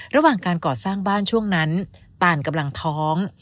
ระหว่างการก่อสร้างบ้านช่วงนั้นตานกำลังท้อง